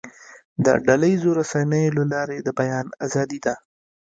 د ډله ییزو رسنیو له لارې د بیان آزادي ده.